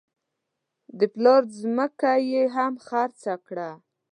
د پلار ځمکه یې هم خرڅه کړه.